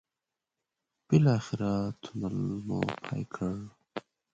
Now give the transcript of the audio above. بالاخره تونل مو پای کړ.